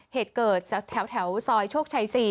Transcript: เหตุเกิดแถวซอยโชคชัย๔